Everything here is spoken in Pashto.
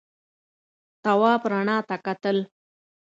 تواب رڼا ته کتل.